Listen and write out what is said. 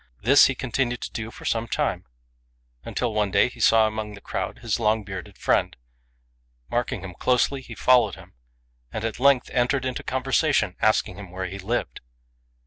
This he continued to do for some time, until one day he saw amongst the crowd his long bearded friend. Marking him closely, he followed him, and at length entered into conversation, asking him where he lived.